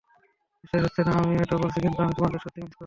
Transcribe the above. বিশ্বাস হচ্ছে না আমিও এটা বলছি, কিন্তু আমি তোমাদের সত্যিই মিস করব।